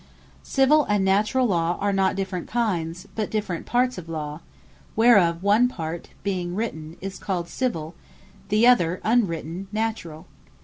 Civill, and Naturall Law are not different kinds, but different parts of Law; whereof one part being written, is called Civill, the other unwritten, Naturall.